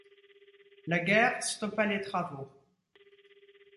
La guerre stoppa les travaux.